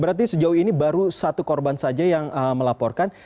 berarti sejauh ini baru satu korban saja yang melaporkan